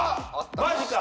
マジか。